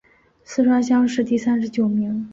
四川乡试第三十九名。